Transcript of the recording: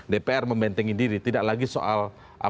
dpr membentengi diri tidak lagi soal